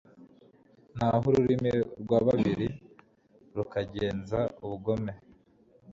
naho ururimi rw'ababi rukagenza ubugome